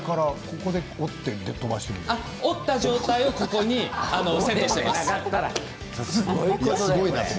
折った状態をここにセットしています。